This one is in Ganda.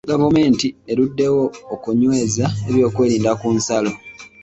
Gavumenti eruddewo okunyweza ebyokwerinda ku nsalo.